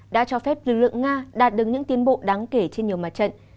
đã cho phép lực lượng nga đạt được những tiến bộ đáng kể trên nhiều mặt trận